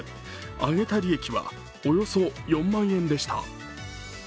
あげた利益はおよそ４万円でした。